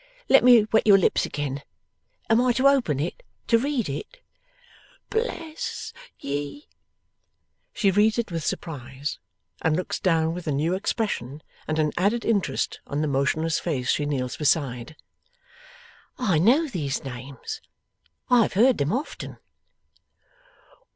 'Let me wet your lips again. Am I to open it? To read it?' 'Bless ye!' She reads it with surprise, and looks down with a new expression and an added interest on the motionless face she kneels beside. 'I know these names. I have heard them often.